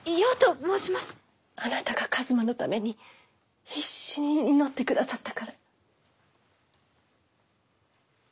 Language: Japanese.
あなたが一馬のために必死に祈ってくださったから。